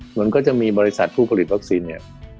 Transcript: มันก็จะมีบริษัทผู้ผลิตวัคซีนเนี่ย